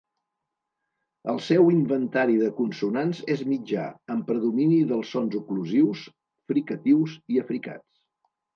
El seu inventari de consonants és mitjà, amb predomini dels sons oclusius, fricatius i africats.